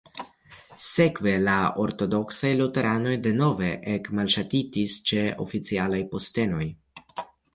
Sekve la ortodoksaj luteranoj denove ekmalŝatitis ĉe oficialaj postenoj.